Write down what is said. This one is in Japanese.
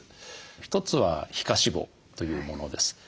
一つは皮下脂肪というものです。